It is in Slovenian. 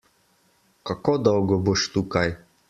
Kako dolgo boš tukaj?